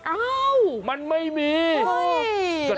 อ้าวมันไม่มีโอ๊ยแล้ว